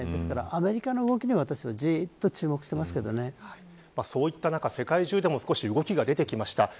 ですからアメリカの動きに私はそういった中、世界中でも少し動きが出てきました。